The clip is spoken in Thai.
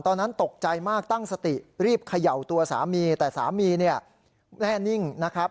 ตอนนั้นตกใจมากตั้งสติรีบเขย่าตัวสามีแต่สามีเนี่ยแน่นิ่งนะครับ